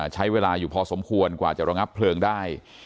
ใช้เวลาอยู่พอสมควรกว่าจะระงับเพลิงได้